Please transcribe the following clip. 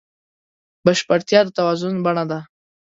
بشپړتیا د توازن بڼه ده.